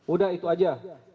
udah itu aja